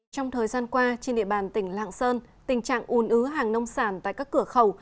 trong thời gian qua trên địa bàn tỉnh lạng sơn tình trạng ùn ứ hàng nông sản tại các cửa khẩu